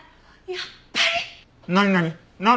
やっぱり！何？